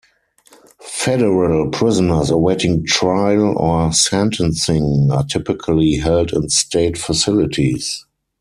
Federal prisoners awaiting trial or sentencing are typically held in state facilities.